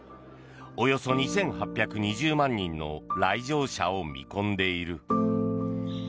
およそ２８２０万人の来場者を見込んでいる。